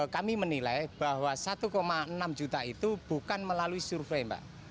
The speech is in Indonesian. kami menilai bahwa satu enam juta itu bukan melalui survei mbak